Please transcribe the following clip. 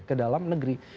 ke dalam negeri